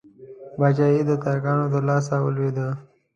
پاچهي د ترکانو د لاسه ولوېده.